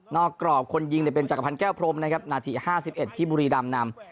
กรอบคนยิงเป็นจักรพันธ์แก้วพรมนะครับนาที๕๑ที่บุรีรำนำ